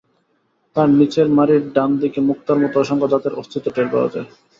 তার নিচের মাড়ির ডানদিকে মুক্তার মতো অসংখ্য দাঁতের অস্তিত্ব টের পাওয়া যায়।